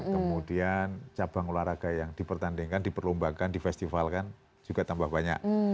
kemudian cabang olahraga yang dipertandingkan diperlombakan difestivalkan juga tambah banyak